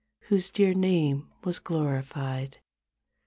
Whose dear name was glorified.